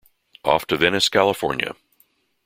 Off to Venice, California.